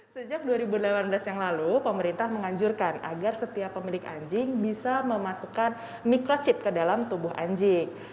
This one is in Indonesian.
sejak dua ribu delapan belas yang lalu pemerintah menganjurkan agar setiap pemilik anjing bisa memasukkan microchip ke dalam tubuh anjing